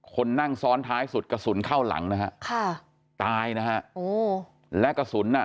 คนนั่งซ้อนท้ายสุดกระสุนเข้าหลังนะฮะค่ะตายนะฮะโอ้และกระสุนอ่ะ